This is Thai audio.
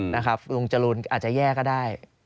นะครับลุงจรูนอาจจะแย่ก็ได้